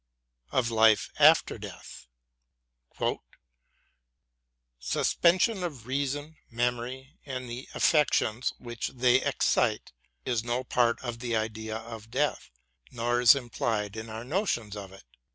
Of Life after Death : Suspension of reason, memory, and the affections which they excite, is no part of the idea of death, nor is implied in our notion of it.